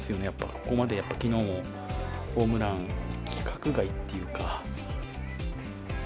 ここまできのうもホームラン、規格外っていうか。